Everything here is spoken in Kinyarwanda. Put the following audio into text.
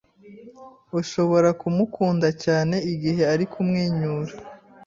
Ushobora kumukunda cyane igihe ari kumwenyura